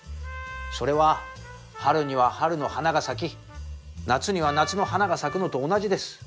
それは春には春の花が咲き夏には夏の花が咲くのと同じです。